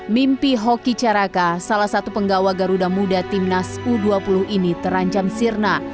mimpi hoki caraka salah satu penggawa garuda muda timnas u dua puluh ini terancam sirna